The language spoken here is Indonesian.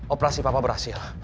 operasi papa berhasil